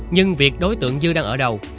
nhưng việc đối tượng dư đang ở đâu